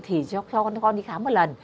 thì cho con đi khám một lần